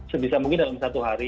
sebisa mungkin dalam satu hari